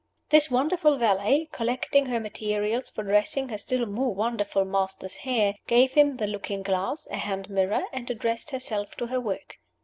This wonderful valet, collecting her materials for dressing her still more wonderful master's hair, gave him the looking glass (a hand mirror), and addressed herself to her work.